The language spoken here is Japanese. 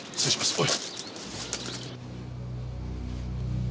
おい！